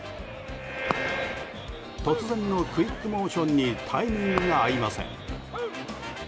突然のクイックモーションにタイミングが合いません。